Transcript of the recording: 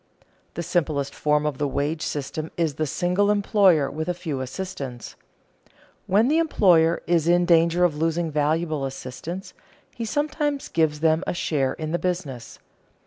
The simplest form of the wage system is the single employer with a few assistants. When the employer is in danger of losing valuable assistants, he sometimes gives them a share in the business.